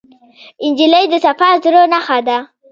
نجلۍ د صفا زړه نښه ده.